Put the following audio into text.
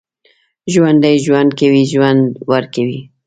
ژوندي ژوند کوي، ژوند ورکوي